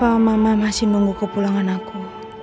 apa mama masih nunggu ke pulangan aku